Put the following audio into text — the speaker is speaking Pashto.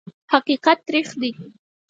حقیقت تریخ دی .